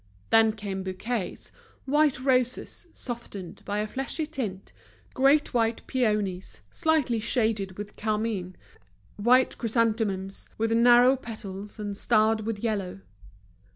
Then came bouquets, white roses, softened by a fleshy tint, great white peonies, slightly shaded with carmine, white chrysanthemums, with narrow petals and starred with yellow.